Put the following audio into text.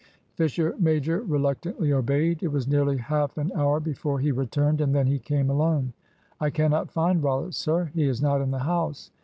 Fisher major reluctantly obeyed. It was nearly half an hour before he returned, and then he came alone. "I cannot find Rollitt, sir. He is not in the house.